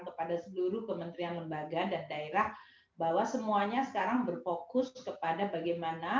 kepada seluruh kementerian lembaga dan daerah bahwa semuanya sekarang berfokus kepada bagaimana